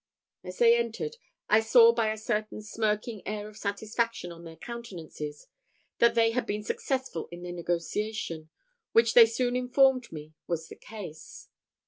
As they entered, I saw by a certain smirking air of satisfaction on their countenances, that they had been successful in their negotiation, which they soon informed me was the case.